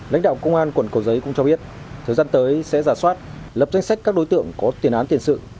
lãnh đạo công an quận cầu giấy cũng cho biết thời gian tới sẽ giả soát lập danh sách các đối tượng có tiền án tiền sự